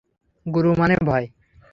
গুরু মানে ভয়!